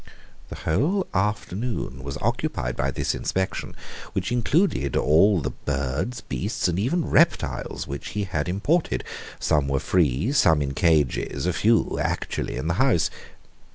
The whole afternoon was occupied by this inspection, which included all the birds, beasts, and even reptiles which he had imported. Some were free, some in cages, a few actually in the house.